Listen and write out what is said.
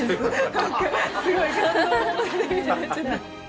何かすごい感動物語みたいになっちゃった。